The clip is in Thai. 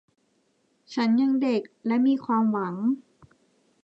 ฉันยังเด็กและมีความหวัง